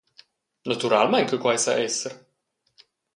Naturalmein che quei sa esser.